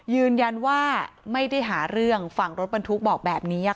ยืนยันว่าไม่ได้หาเรื่องฝั่งรถบรรทุกบอกแบบนี้